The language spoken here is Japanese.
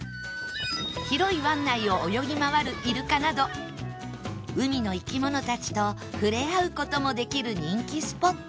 広い湾内を泳ぎ回るイルカなど海の生き物たちとふれあう事もできる人気スポット